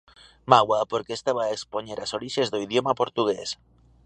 Mágoa porque estaba a expoñer as orixes do idioma portugués.